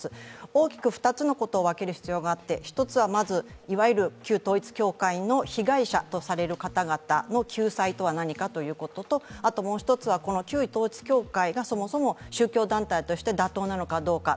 大きく２つのことを分ける必要があって１つはまず、いわゆる旧統一教会の被害者とされる方々の救済とは何かということとあともう一つはこの旧統一教会がそもそも宗教団体として妥当なのかどうか。